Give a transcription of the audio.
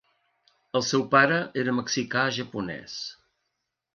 El seu pare era mexicà japonès.